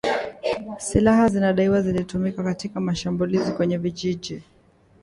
Silaha zinadaiwa zilitumika katika mashambulizi kwenye vijiji